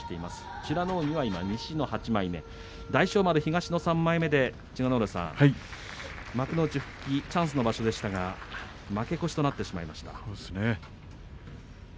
美ノ海、西の８枚目大翔丸、東の３枚目で幕内復帰へチャンスの場所でしたが負け越しとなってしまいましたね。